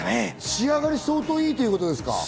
仕上がり相当いいということですか？